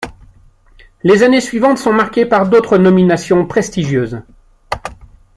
Les années suivantes sont marquées par d'autres nominations prestigieuses.